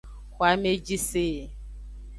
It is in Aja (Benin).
Xo ameji se.